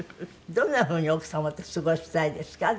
どんなふうに奥様と過ごしたいですか？